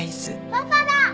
パパだ！